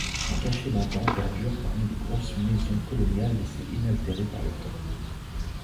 Un cachet d'antan perdure parmi les grosses maisons coloniales laissées inaltérées par le temps.